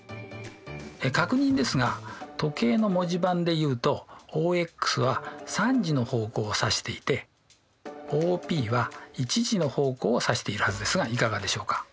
確認ですが時計の文字盤で言うとＯＸは３時の方向を指していてＯＰは１時の方向を指しているはずですがいかがでしょうか？